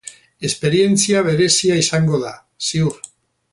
Esperientzia berezia izango da, ziur.